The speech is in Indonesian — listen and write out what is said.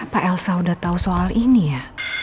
apa elsa udah tau soal ini ya